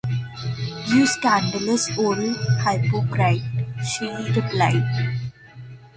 ‘You scandalous old hypocrite!’ she replied.